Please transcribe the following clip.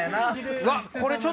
うわっ！